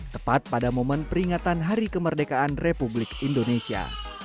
tepat pada momen peringatan hari kemerdekaan republik indonesia